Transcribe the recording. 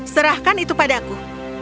serahkan itu padaku